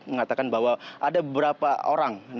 mengatakan bahwa ada beberapa hal yang harus diperlukan